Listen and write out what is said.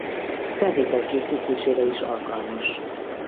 Felvétel készítésére is alkalmas.